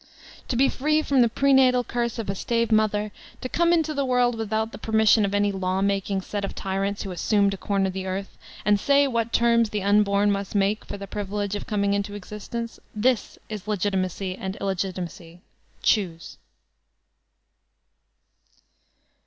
To be free from the prenatal curse of a slave mother, to come into the world without the permission of any law making set of tyrants who assume to comer the earth, and say what terms the un bom must make for the privilege of coming into exist ence. This is legitimacy and illegitimacy ! Choose.